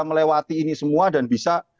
melewati ini semua dan bisa